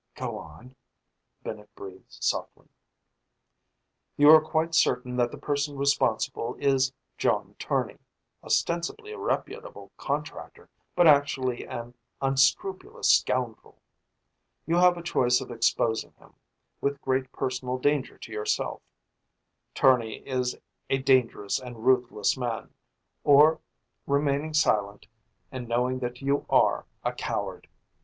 "Go on," Bennett breathed softly. "You are quite certain that the person responsible is John Tournay, ostensibly a reputable contractor, but actually an unscrupulous scoundrel. You have a choice of exposing him, with great personal danger to yourself Tournay is a dangerous and ruthless man or remaining silent and knowing that you are a coward.